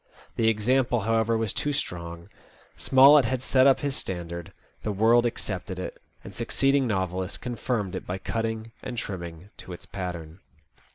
The example, however, was too strong. Smollett had set up his standard. The world accepted it, and succeeding novelists con firmed it by cutting and trimming to its pattern.